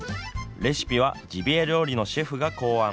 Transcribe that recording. レシピはジビエ料理のシェフが考案。